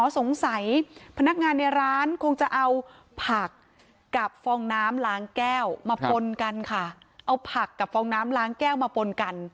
อ๋อสงสัยพนักงานในร้านคงจะเอาผักกับฟองน้ำล้างแก้วมาปนกันค่ะ